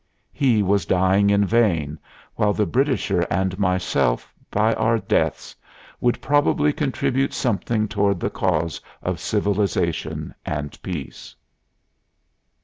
He was dying in vain, while the Britisher and myself, by our deaths, would probably contribute something toward the cause of civilization and peace."